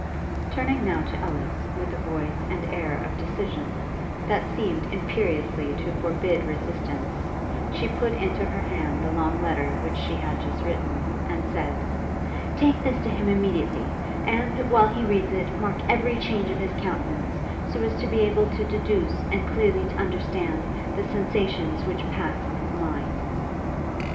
Turning now to Ellis, with a voice and air of decision, that seemed imperiously to forbid resistance, she put into her hand the long letter which she had just written, and said, 'Take this to him immediately; and, while he reads it, mark every change of his countenance, so as to be able to deduce, and clearly to understand, the sensations which pass in his mind.'